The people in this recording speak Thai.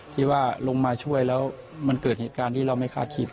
ที่ว่าลงมาช่วยแล้วมันเกิดเหตุการณ์ที่เราไม่คาดคิด